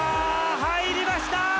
入りましたー。